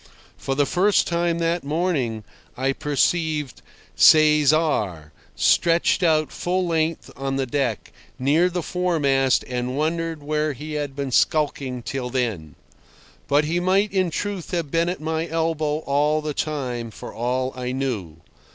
For the first time that morning I perceived Cesar stretched out full length on the deck near the foremast and wondered where he had been skulking till then. But he might in truth have been at my elbow all the time for all I knew.